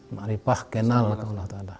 ma'rifah kenal allah ta'ala